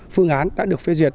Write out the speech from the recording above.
phương án đã được phê duyệt